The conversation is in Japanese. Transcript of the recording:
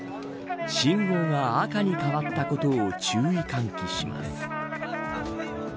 信号が赤に変わったことを注意喚起します。